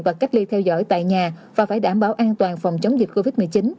và cách ly theo dõi tại nhà và phải đảm bảo an toàn phòng chống dịch covid một mươi chín